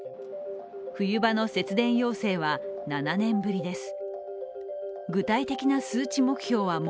冬場の節電要請は７年ぶりです。